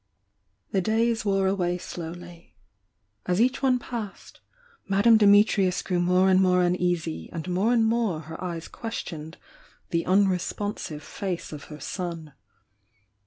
The days wore away slowly. As each one passed, Madame Dimitrius grew more and more uneasy, and more and more her eyes questioned the unrespon sive face of her son.